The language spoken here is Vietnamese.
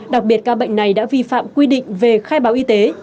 đặc biệt ca bệnh này đã vi phạm quy định về khai báo y tế